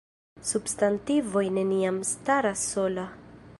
Substantivoj neniam staras sola.